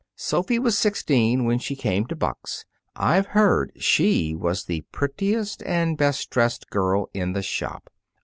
Sophy was sixteen when she came to Buck's. I've heard she was the prettiest and best dressed girl in the shop."